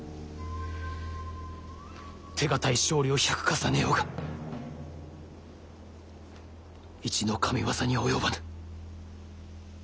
手堅い勝利を１００重ねようが一の神業には及ばぬ。